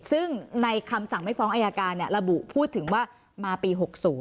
ซึ่งในคำสั่งไม่ฟ้องอายการระบุพูดถึงว่ามาปี๖๐